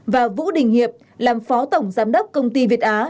và vũ đình hiệp làm phó tổng giám đốc công ty việt á